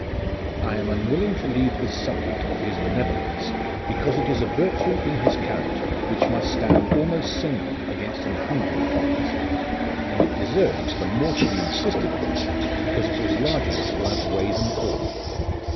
I am unwilling to leave this subject of his benevolence, because it is a virtue in his character which must stand almost single against an hundred follies ; and it deserves the more to be insisted on, because it was large enough to outweigh them all.